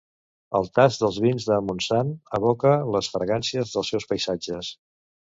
El tast dels vins de Montsant evoca les fragàncies dels seus paisatges.